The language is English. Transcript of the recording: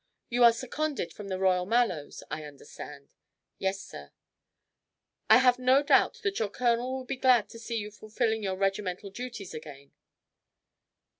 You are seconded from the Royal Mallows, I understand?" "Yes, sir." "I have no doubt that your colonel will be glad to see you fulfilling your regimental duties again."